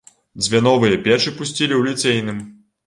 Дзве новыя печы пусцілі ў ліцейным.